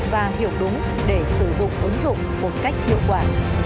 và hiểu đúng để sử dụng ứng dụng một cách hiệu quả